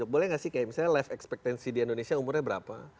boleh gak sih kayak misalnya life ekspektasi di indonesia umurnya berapa